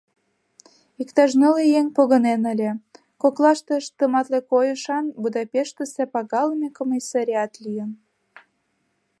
Иктаж нылле еҥ погынен ыле, коклаштышт тыматле койышан Будапештысе пагалыме комиссарат лийын.